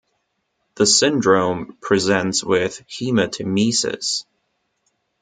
The syndrome presents with hematemesis.